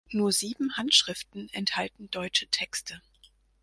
Nur sieben Handschriften enthalten deutsche Texte.